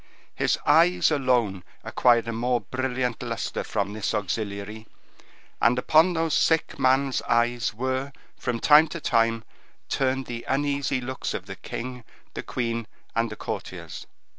His eyes alone acquired a more brilliant luster from this auxiliary, and upon those sick man's eyes were, from time to time, turned the uneasy looks of the king, the queen, and the courtiers.